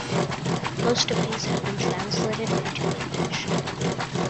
Most of these have been translated into English.